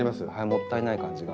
もったいない感じが。